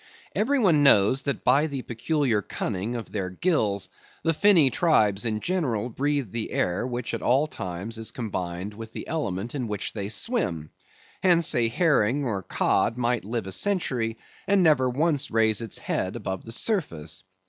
Every one knows that by the peculiar cunning of their gills, the finny tribes in general breathe the air which at all times is combined with the element in which they swim; hence, a herring or a cod might live a century, and never once raise its head above the surface.